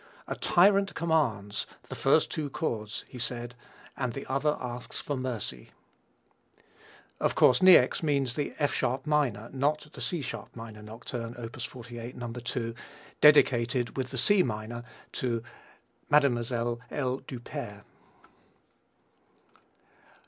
'A tyrant commands' the first two chords he said, 'and the other asks for mercy.'" Of course Niecks means the F sharp minor, not the C sharp minor Nocturne, op. 48, No. 2, dedicated, with the C minor, to Mlle. L. Duperre.